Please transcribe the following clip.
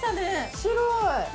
白い。